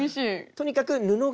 とにかく布がね